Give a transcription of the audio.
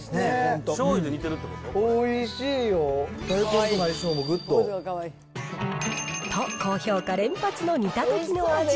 おいしいよ。と、高評価連発の煮たときの味。